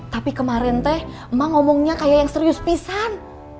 tapi kemarin teh mah ngomongnya kayak yang serius pisan